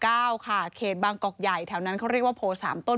ค่ะเขตบางกอกใหญ่แถวนั้นเขาเรียกว่าโพสามต้น